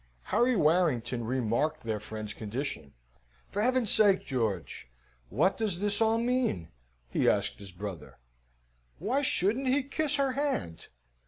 Harry Warrington remarked their friend's condition. "For heaven's sake, George, what does this all mean?" he asked his brother. "Why shouldn't he kiss her hand?"